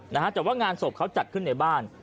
นะฮะแต่ว่างานศพเขาจัดขึ้นในบ้าน